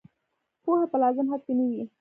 پوهه په لازم حد کې نه وي.